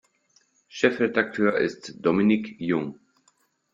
Chefredakteur ist Dominique Jung.